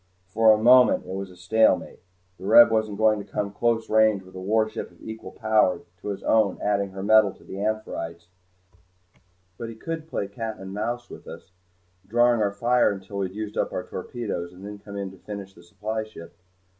For the moment it was stalemate. The Reb wasn't going to come into close range with a warship of equal power to his own adding her metal to the "Amphitrite's," but he could play cat and mouse with us, drawing our fire until we had used up our torpedoes, and then come in to finish the supply ship.